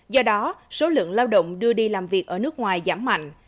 do đó số lượng lao động đưa đi làm việc ở nước ngoài giảm mạnh